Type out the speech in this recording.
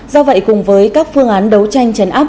do vậy cùng với các phương án đấu tranh chấn áp